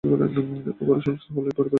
অপুর সংসার হল অপুর পরিবারের গল্প।